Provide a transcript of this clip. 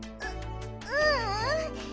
うううん。